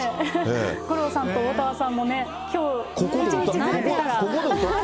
五郎さんとおおたわさんもね、きょう、１日ずれてたら。